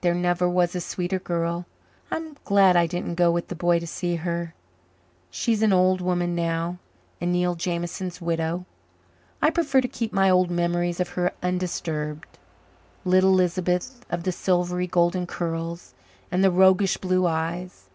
There never was a sweeter girl. I'm glad I didn't go with the boy to see her. She's an old woman now and Neil Jameson's widow. I prefer to keep my old memories of her undisturbed little Lisbeth of the silvery golden curls and the roguish blue eyes.